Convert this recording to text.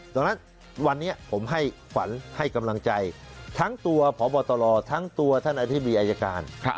ดังนั้นวันนี้ผมให้ฝันให้กำลังใจทั้งตัวพบตรทั้งตัวท่านอธิบดีอายการ